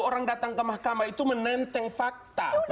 orang datang ke mahkamah itu menenteng fakta